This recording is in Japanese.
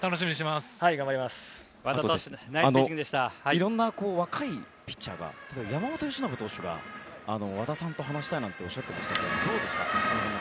いろんな若いピッチャー山本由伸投手が和田さんと話したいなんておっしゃっていましたけどどうですか？